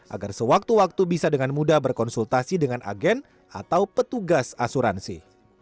agar sewaktu waktu bisa dengan mudah berkonsultasi dengan agen atau petugas asuransi